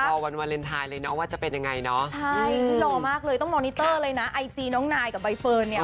รอวันวาเลนทายเลยว่าจะเป็นยังไง